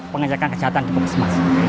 pengecekan kesehatan di bukesmas